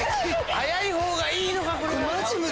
早いほうがいいのかこれは。